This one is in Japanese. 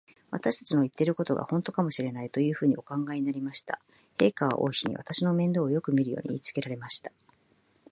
私たちの言ってることが、ほんとかもしれない、というふうにお考えになりました。陛下は王妃に、私の面倒をよくみるように言いつけられました。